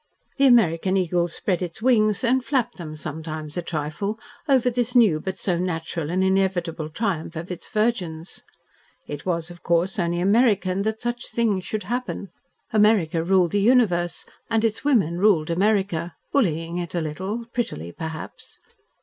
The American Eagle spread its wings and flapped them sometimes a trifle, over this new but so natural and inevitable triumph of its virgins. It was of course only "American" that such things should happen. America ruled the universe, and its women ruled America, bullying it a little, prettily, perhaps.